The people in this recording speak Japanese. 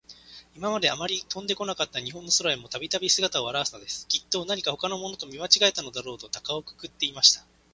いままで、あまり飛んでこなかった日本の空へも、たびたび、すがたをあらわすのです。きっと、なにかほかのものと、見まちがえたのだろうと、たかをくくっていました。